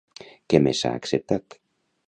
Què més s'ha acceptat?